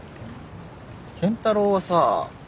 健太郎はさ。